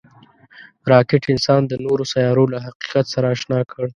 راکټ انسان د نورو سیارو له حقیقت سره اشنا کړ